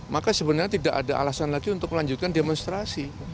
maka sebenarnya tidak ada alasan lagi untuk melanjutkan demonstrasi